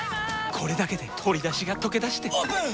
これだけで鶏だしがとけだしてオープン！